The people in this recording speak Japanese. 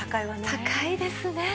高いですね。